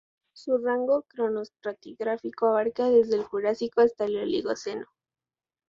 Su rango cronoestratigráfico abarca desde el Jurásico hasta el Oligoceno.